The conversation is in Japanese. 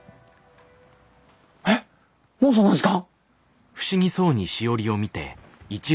えっもうそんな時間？